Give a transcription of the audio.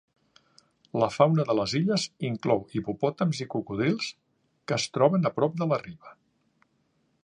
La fauna de les illes inclou hipopòtams i cocodrils, que es troben a prop de la riba.